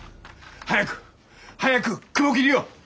早く早く雲霧を。